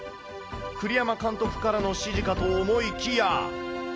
栗山監督からの指示かと思いきや。